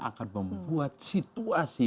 akan membuat situasi